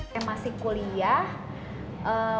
saya masih kuliah